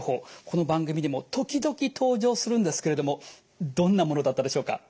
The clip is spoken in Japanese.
この番組にも時々登場するんですけれどもどんなものだったでしょうか？